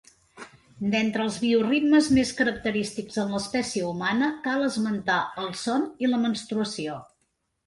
D’entre els bioritmes més característics en l’espècie humana cal esmentar el son i la menstruació.